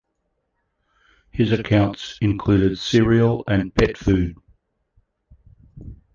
His accounts included cereal and pet food.